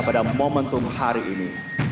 pada momentum hari ini